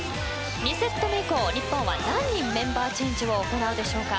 ２セット目以降、日本は何人メンバーチェンジを行うでしょうか。